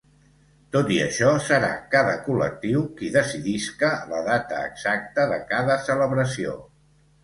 Tot i això, serà cada col·lectiu qui decidisca la data exacta de cada celebració.